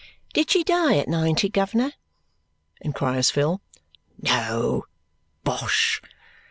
"Did she die at ninety, guv'ner?" inquires Phil. "No. Bosh!